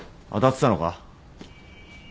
当たってたのか？